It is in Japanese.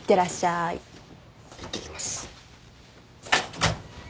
いってきます。